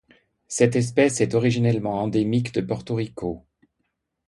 Cette espèce est originellement endémique de Porto Rico.